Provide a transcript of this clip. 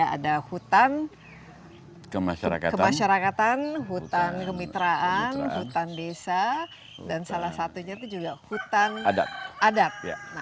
ada hutan kemasyarakatan hutan kemitraan hutan desa dan salah satunya itu juga hutan adat